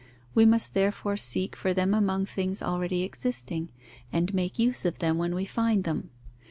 We must therefore seek for them among things already existing, and make use of them when we find them.